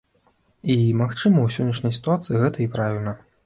І магчыма, у сённяшняй сітуацыі гэта і правільна.